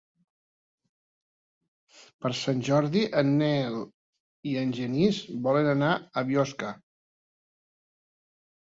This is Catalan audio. Per Sant Jordi en Nel i en Genís volen anar a Biosca.